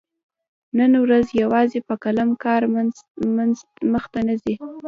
نن ورځ يوازي په قلم کار مخته نه ځي.